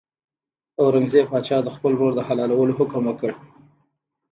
اورنګزېب پاچا د خپل ورور د حلالولو حکم وکړ.